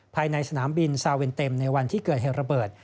ภายในสนามบินซาเวนเต็มในวันที่เกิดเหตุระเบิด